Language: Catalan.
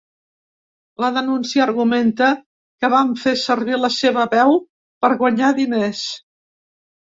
La denúncia argumenta que vam fer servir la seva veu per guanyar diners.